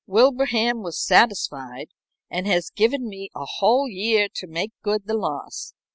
Wilbraham was satisfied, and has given me a whole year to make good the loss.